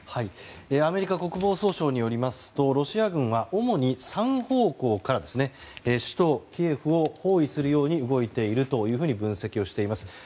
アメリカ国防総省によりますとロシア軍は主に３方向から首都キエフを包囲するように動いていると分析をしています。